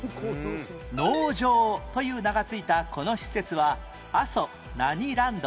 農場という名が付いたこの施設は阿蘇何ランド？